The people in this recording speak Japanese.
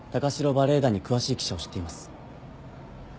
バレエ団に詳しい記者を知っています。